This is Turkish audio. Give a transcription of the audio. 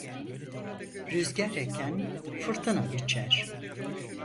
Rüzgâr eken fırtına biçer.